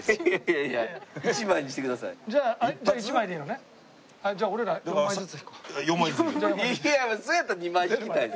いやそれやったら２枚引きたいです。